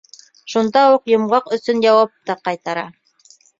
Шунда уҡ йомғаҡ өсөн яуап та ҡайтара.